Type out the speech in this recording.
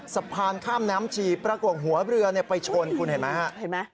สะพานข้ามน้ำจีบประกวงหัวเรือไปชนคุณเห็นไหมฮะ